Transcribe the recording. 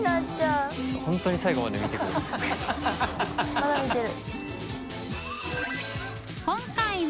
まだ見てる。